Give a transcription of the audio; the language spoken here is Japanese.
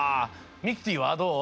ミキティはどう？